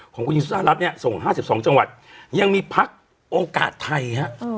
ของผู้หญิงสุธารัสเนี้ยส่งห้าสิบสองจังหวัดยังมีพักโอกาสไทยฮะโอ้